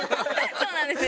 そうなんですよ。